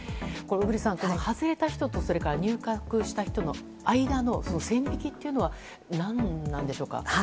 小栗さん外れた人と入閣した人の間の線引きというのは何なんでしょうか。